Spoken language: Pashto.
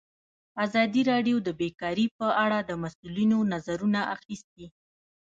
ازادي راډیو د بیکاري په اړه د مسؤلینو نظرونه اخیستي.